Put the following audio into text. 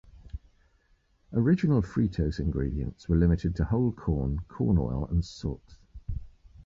Original Fritos ingredients were limited to whole corn, corn oil, and salt.